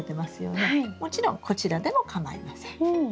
もちろんこちらでもかまいません。